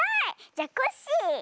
じゃコッシー！